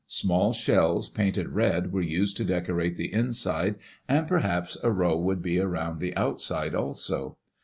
Small shells, painted red, were used to decorate the inside, and perhaps a row would be around the outside also.